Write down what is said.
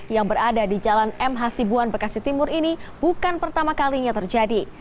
yang berada di jalan m hasibuan bekasi timur ini bukan pertama kalinya terjadi